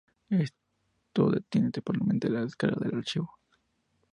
Esto detiene temporalmente la descarga del archivo.